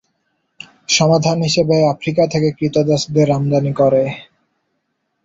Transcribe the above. সমাধান হিসেবে আফ্রিকা থেকে ক্রীতদাসদের আমদানি করে।